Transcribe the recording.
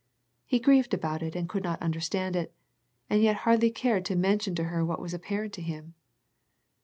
He grieved about it and could not understand it, and yet hardly cared to mention to her what was apparent to him.